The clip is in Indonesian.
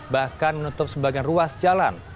bahkan menutup sebagian ruas jalan